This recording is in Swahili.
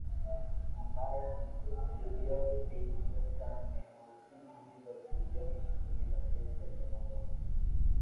ambayo ni bilioni mbili nukta nne haufikii hizo bilioni ishirini Bajeti ya Kenya mwaka